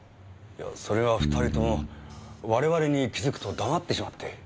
それが２人とも我々に気づくと黙ってしまって。